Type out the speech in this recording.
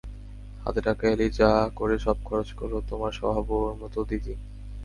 হাতে টাকা এলেই যা করে সব খরচ করো, তোমার স্বভাবও ওর মতো দিদি।